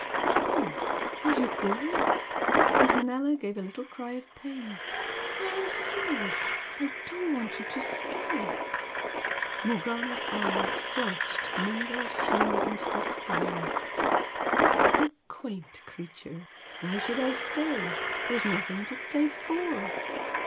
"Oh, are you going?" and Manella gave a little cry of pain "I am sorry! I do want you to stay!" Morgana's eyes flashed mingled humour and disdain. "You quaint creature! Why should I stay? There's nothing to stay for!"